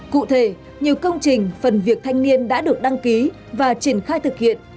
cụ thể nhiều công trình phần việc thanh niên đã được đăng ký và triển khai thực hiện